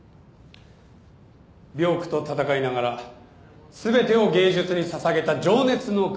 病苦と闘いながら全てを芸術に捧げた情熱の画家。